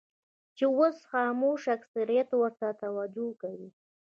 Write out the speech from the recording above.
چې اوس خاموش اکثریت ورته توجه کوي.